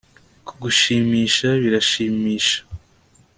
Kugushimisha biranshimisha